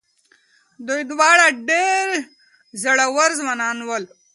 دوی دواړه ډېر زړور ځوانان ول.